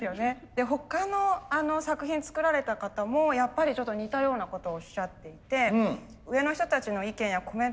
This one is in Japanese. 他の作品作られた方もやっぱりちょっと似たようなことをおっしゃっていて。